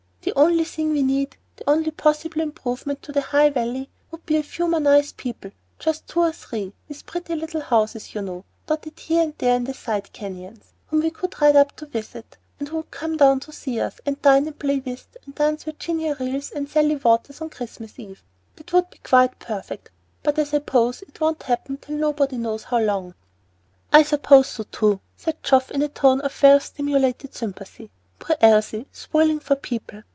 The only thing we need, the only possible improvement to the High Valley, would be a few more nice people, just two or three, with pretty little houses, you know, dotted here and there in the side canyons, whom we could ride up to visit, and who would come down to see us, and dine and play whist and dance Virginia reels and 'Sally Waters' on Christmas Eve. That would be quite perfect. But I suppose it won't happen till nobody knows how long." "I suppose so, too," said Geoff in a tone of well simulated sympathy. "Poor Elsie, spoiling for people!